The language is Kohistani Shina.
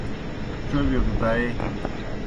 ڇوبِیو گہ دائے۔